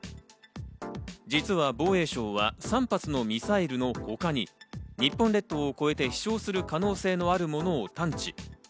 実は防衛省は３発のミサイルのほかに日本列島を越えて、飛翔する可能性のある物探知。